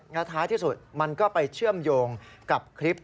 และท้ายที่สุดมันก็ไปเชื่อมโยงกับคลิป